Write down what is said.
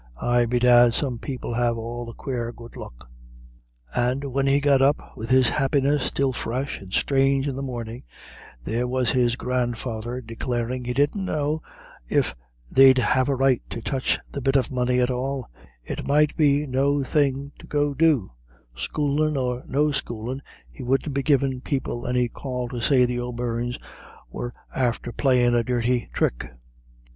Ay, bedad, some people have the quare good luck." And when he got up with his happiness still fresh and strange in the morning, there was his grandfather declaring "he didn't know if they'd have a right to touch the bit of money at all; it might be no thing to go do; schoolin' or no schoolin', he wouldn't be givin' people any call to say the O'Beirnes were after playin' a dirty thrick."